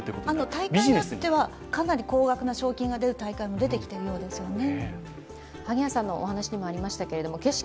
大会によっては、かなり高額な賞金が出る大会も出てきているようですよね。